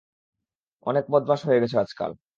অনেক বদমাশ হয়ে গেছো আজকাল।